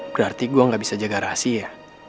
berarti gue gak bisa jaga rahasia